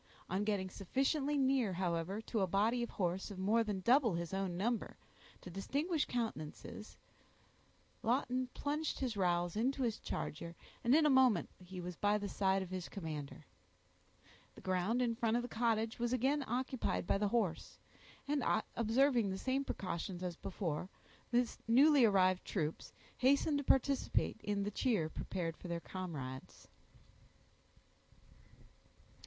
On getting sufficiently near, however, to a body of horse of more than double his own number, to distinguish countenances, Lawton plunged his rowels into his charger, and in a moment he was by the side of his commander. The ground in front of the cottage was again occupied by the horse; and observing the same precautions as before, the newly arrived troops hastened to participate in the cheer prepared for their comrades.